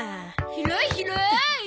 広い広い！